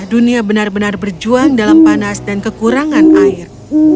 dunia benar benar berjuang dalam panas dan kekurangan air